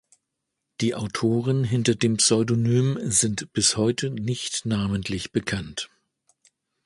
Die Autoren hinter dem Pseudonym sind bis heute nicht namentlich bekannt.